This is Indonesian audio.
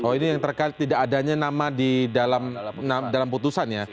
oh ini yang terkait tidak adanya nama di dalam putusan ya